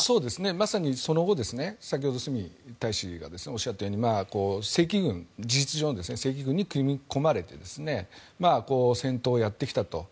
まさに、その後先ほど角大使がおっしゃったように事実上の赤軍に組み込まれて戦闘をやってきたと。